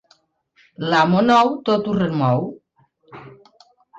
L'amo nou tot ho remou.